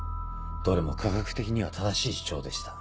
どれも科学的には正しい主張でした。